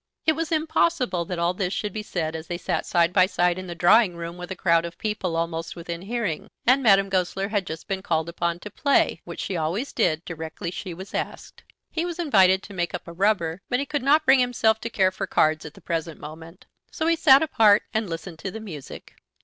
It was impossible that all this should be said as they sat side by side in the drawing room with a crowd of people almost within hearing, and Madame Goesler had just been called upon to play, which she always did directly she was asked. He was invited to make up a rubber, but he could not bring himself to care for cards at the present moment. So he sat apart and listened to the music.